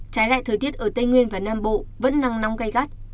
trái lại thời tiết ở tây nguyên và nam bộ vẫn nắng nóng gai gắt